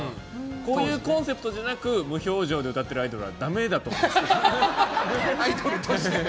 そういうコンセプトじゃなく無表情で歌ってるアイドルはアイドルとしてね。